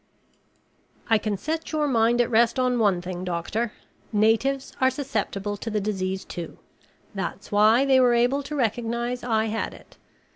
"I can set your mind at rest on one thing, Doctor. Natives are susceptible to the disease, too. That's why they were able to recognize I had it.